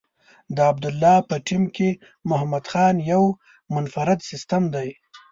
د عبدالله په ټیم کې محمد خان یو منفرد سیسټم دی.